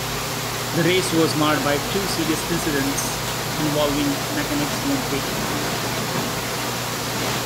The race was marred by two serious incidents involving mechanics, one fatal.